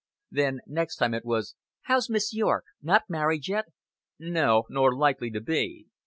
Then next time it was: "How's Miss Yorke? Not married yet?" "No, nor likely to be."